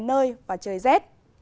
nơi và trời rét